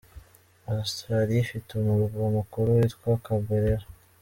Australia ifite umurwa mukuru witwa Camberra.